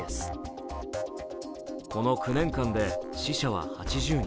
この９年間で死者は８０人。